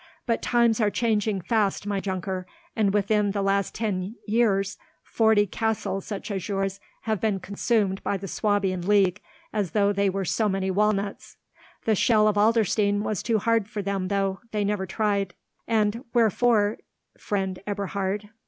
But times are changing fast, my Junker, and within the last ten years forty castles such as yours have been consumed by the Swabian League, as though they were so many walnuts." "The shell of Adlerstein was too hard for them, though. They never tried." "And wherefore, friend Eberhard?